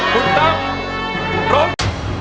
คุณตำร้อง